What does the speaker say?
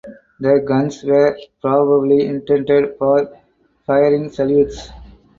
The guns were probably intended for firing salutes.